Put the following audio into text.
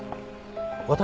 私？